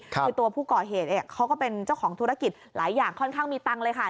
คือตัวผู้ก่อเหตุเขาก็เป็นเจ้าของธุรกิจหลายอย่างค่อนข้างมีตังค์เลยค่ะ